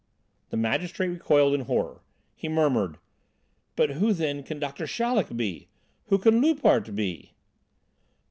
The magistrate recoiled in horror. He murmured: "But who then can Doctor Chaleck be? Who can Loupart be?"